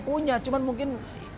punya cuma mungkin